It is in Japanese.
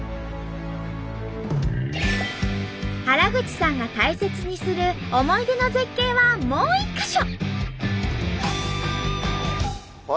原口さんが大切にする思い出の絶景はもう１か所！